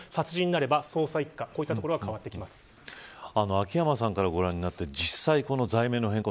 秋山さんからご覧になって実際、罪名の変更